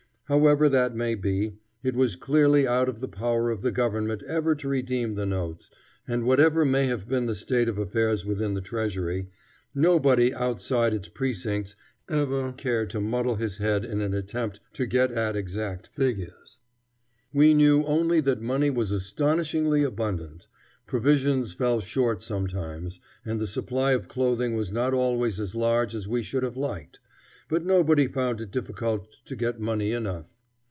However that may be, it was clearly out of the power of the government ever to redeem the notes, and whatever may have been the state of affairs within the treasury, nobody outside its precincts ever cared to muddle his head in an attempt to get at exact figures. We knew only that money was astonishingly abundant. Provisions fell short sometimes, and the supply of clothing was not always as large as we should have liked, but nobody found it difficult to get money enough.